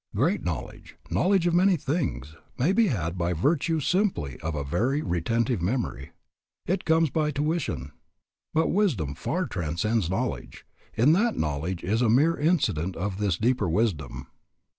Great knowledge, knowledge of many things, may be had by virtue simply of a very retentive memory. It comes by tuition. But wisdom far transcends knowledge, in that knowledge is a mere incident of this deeper wisdom.